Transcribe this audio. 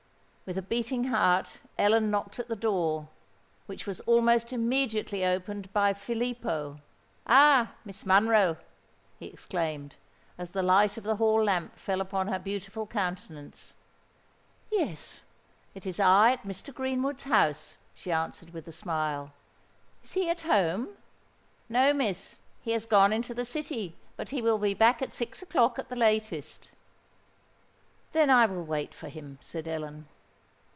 With a beating heart Ellen knocked at the door, which was almost immediately opened by Filippo. "Ah! Miss Monroe!" he exclaimed, as the light of the hall lamp fell upon her beautiful countenance. "Yes—it is I at Mr. Greenwood's house," she answered, with a smile: "is he at home?" "No, Miss—he has gone into the City; but he will be back at six o'clock at the latest." "Then I will wait for him," said Ellen.